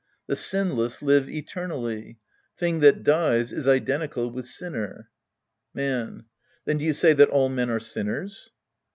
The sinless live eternally. " Thing that dies " is identical with " sinner ". Man. Then do you say that all men are sinners